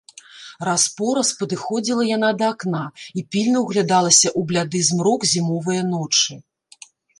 Раз-пораз падыходзіла яна да акна і пільна ўглядалася ў бляды змрок зімовае ночы.